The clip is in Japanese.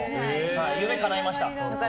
夢かないました。